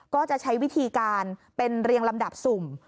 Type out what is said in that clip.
ก็จะใช้วิธีการเป็นเรียงลำดับสุ่ม